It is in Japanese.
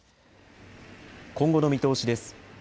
今後の見通しです。